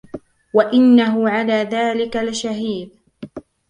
وإنه على ذلك لشهيد